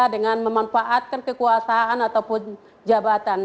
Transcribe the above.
dengan memanfaatkan kekuasaan ataupun jabatan